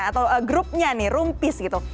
atau grupnya nih rumpis gitu